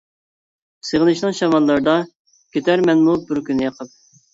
سېغىنىشنىڭ شاماللىرىدا، كېتەرمەنمۇ بىر كۈنى ئېقىپ.